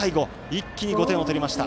一気に５点を取りました。